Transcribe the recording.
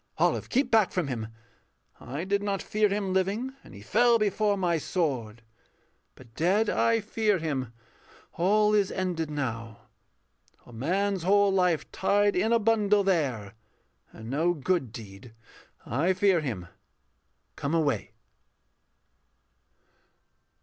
Olive, keep back from him! I did not fear Him living, and he fell before my sword; But dead I fear him. All is ended now; A man's whole life tied in a bundle there, And no good deed. I fear him. Come away.